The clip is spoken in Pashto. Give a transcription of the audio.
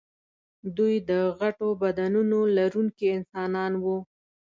دوی د غټو بدنونو لرونکي انسانان وو.